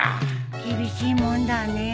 厳しいもんだね。